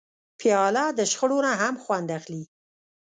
پیاله د شخړو نه هم خوند اخلي.